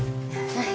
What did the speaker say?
はい。